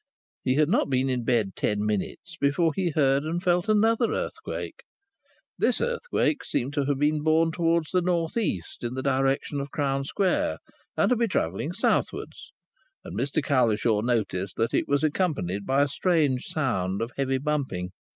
He had not been in bed ten minutes before he heard and felt another earthquake. This earthquake seemed to have been born towards the north east, in the direction of Crown Square, and to be travelling southwards; and Mr Cowlishaw noticed that it was accompanied by a strange sound of heavy bumping.